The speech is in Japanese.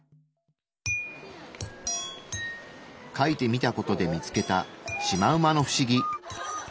描いてみた事で見つけたシマウマのフシギ。